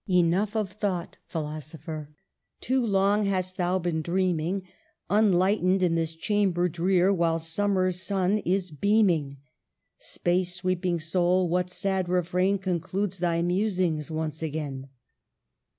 "Enough of thought, philosopher, Too long hast thou been dreaming Unlightened, in this chamber drear, "While summer's sun is beaming I Space sweeping soul, what sad refrain Concludes thy musings once again?